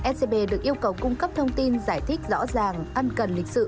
scb được yêu cầu cung cấp thông tin giải thích rõ ràng ăn cần lịch sự